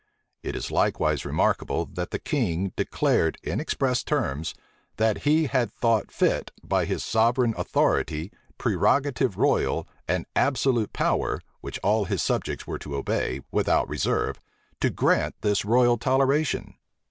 It is likewise remarkable, that the king declared in express terms, "that he had thought fit, by his sovereign authority, prerogative royal, and absolute power, which all his subjects were to obey, without reserve, to grant this royal toleration."